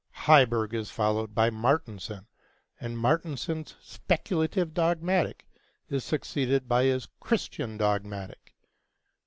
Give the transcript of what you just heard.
Heiberg is followed by Martensen, and Martensen's 'Speculative Dogmatic' is succeeded by his 'Christian Dogmatic.'